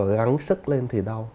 gắng sức lên thì đau